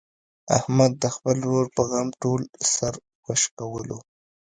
احمد د خپل ورور په غم ټول سر و شکولو.